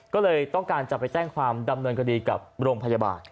ก็เลยต้องการจะไปแจ้งความดำเนินคดีกับโรงพยาบาล